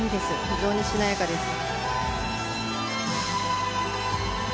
非常にしなやかです